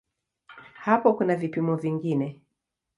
Hapo kuna vipimo vingine.